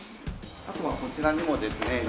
あとはこちらにもですね